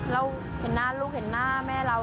เราเห็นหน้าลูกเห็นหน้าแม่เรา